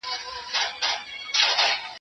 ما د سبا لپاره د نوي لغتونو يادونه کړې ده